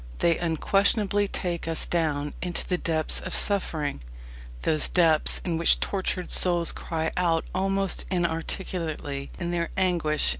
They unquestionably take us down into the depths of suffering those depths in which tortured souls cry out almost inarticulately in their anguish.